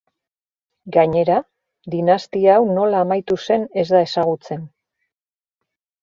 Gainera, dinastia hau nola amaitu zen ez da ezagutzen.